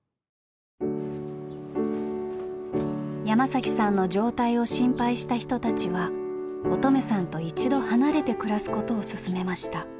山さんの状態を心配した人たちは音十愛さんと一度離れて暮らすことを勧めました。